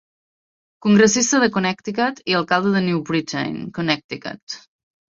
Congressista de Connecticut i alcalde de New Britain, Connecticut.